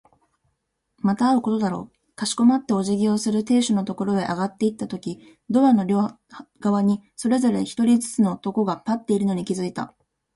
また会うことだろう。かしこまってお辞儀をする亭主のところへ上がっていったとき、ドアの両側にそれぞれ一人ずつの男が立っているのに気づいた。